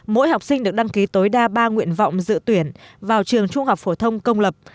mỗi học sinh được đăng ký tối đa ba nguyện vọng dự tuyển vào trường trung học phổ thông công lập